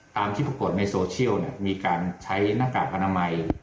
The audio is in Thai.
ตามที่ปรากฏในโซเชียลมีการใช้หน้ากากอนามัย